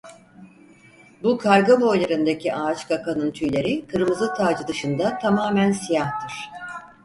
Bu karga boylarındaki ağaçkakanın tüyleri kırmızı tacı dışında tamamen siyahtır.